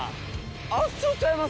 圧勝ちゃいます？